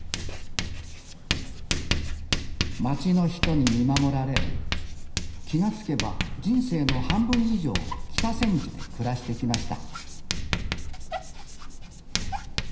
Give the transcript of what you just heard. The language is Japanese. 街の人に見守られ気が付けば人生の半分以上を北千住で暮らしてきました